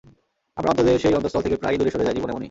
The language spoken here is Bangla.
আমরা অন্তরের সেই অন্তস্তল থেকে প্রায়ই দূরে সরে যাই, জীবন এমনই।